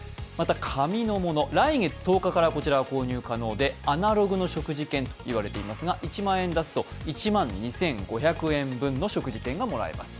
紙のもの、来月１０日からこちらは購入可能でアナログの食事券といわれていますが、１万円出すと１万２５００円分の食事券がもらえます。